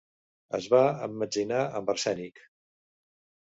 Es va emmetzinar amb arsènic.